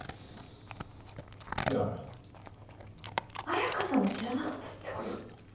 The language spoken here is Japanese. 綾香さんも知らなかったって事？